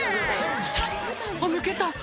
「あっ抜けた」